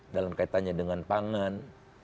dalam kaitannya dengan pangan